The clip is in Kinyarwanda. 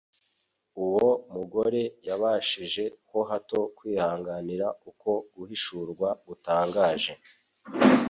uwo mugore yabashije ho hato kwihanganira uko guhishurwa gutangaje.